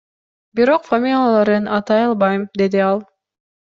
Бирок фамилияларын атай албайм, — деди ал.